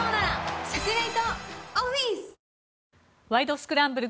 スクランブル」